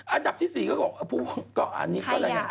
อันดับที่สี่ก็พูดว่าใครอยาก